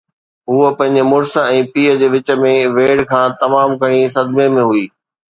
هوءَ پنهنجي مڙس ۽ پيءُ جي وچ ۾ ويڙهه کان تمام گهڻي صدمي ۾ هئي.